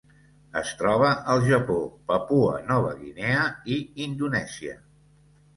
Es troba al Japó, Papua Nova Guinea i Indonèsia.